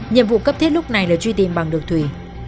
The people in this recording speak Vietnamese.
nhiệm vụ cấp thiết lúc này là truy tìm bằng đường thủy